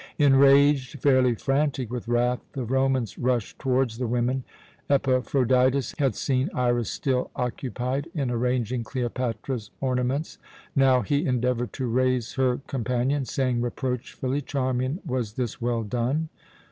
Enraged, fairly frantic with wrath, the Romans rushed towards the women. Epaphroditus had seen Iras still occupied in arranging Cleopatra's ornaments. Now he endeavoured to raise her companion, saying reproachfully, "Charmian, was this well done?"